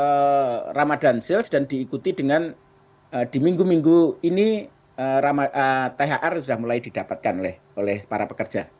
karena ramadan sale dan diikuti dengan di minggu minggu ini thr sudah mulai didapatkan oleh para pekerja